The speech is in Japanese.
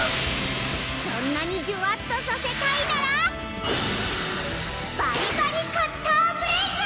そんなにじゅわっとさせたいならバリバリカッターブレイズ！